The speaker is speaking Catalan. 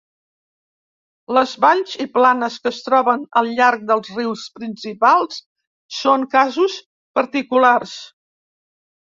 Les valls i planes que es troben al llarg dels rius principals són casos particulars.